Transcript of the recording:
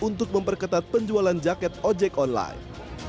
untuk memperketat penjualan jaket ojek online